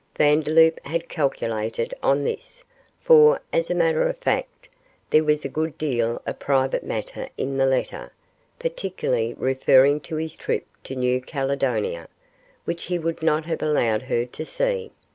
Vandeloup had calculated on this, for, as a matter of fact, there was a good deal of private matter in the letter, particularly referring to his trip to New Caledonia, which he would not have allowed her to see.